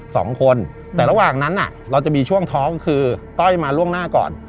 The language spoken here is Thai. สองคนแต่ระหว่างนั้นอ่ะเราจะมีช่วงท้องคือต้อยมาล่วงหน้าก่อน